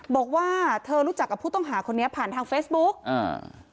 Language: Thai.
บอกว่าเธอรู้จักกับผู้ต้องหาคนนี้ผ่านทางเฟซบุ๊กอ่า